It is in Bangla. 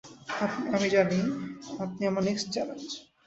আমি জানি আপনি আমার নেক্সট চ্যালেঞ্জ!